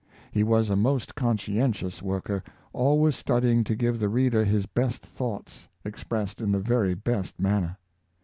He was a most conscientious worker, always studying to give the reader his best thoughts, expressed in the very best manner.